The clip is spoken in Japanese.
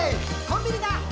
「コンビニだ！